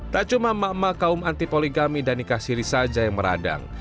tak cuma mak mak kaum anti poligami dan nikah siri saja yang meradang